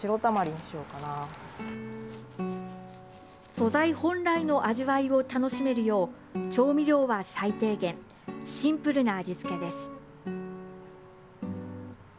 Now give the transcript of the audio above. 素材本来の味わいを楽しめるよう調味料は最低限シンプルな味付けです。